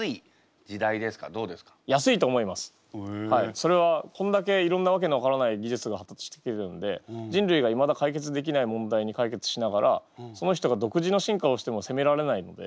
それはこんだけいろんなわけの分からない技術が発達してきてるんで人類がいまだ解決できない問題に解決しながらその人が独自の進化をしてもせめられないので。